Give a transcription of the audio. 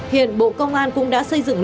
hiện bộ công an cũng đã xây dựng